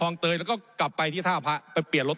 ผมอภิปรายเรื่องการขยายสมภาษณ์รถไฟฟ้าสายสีเขียวนะครับ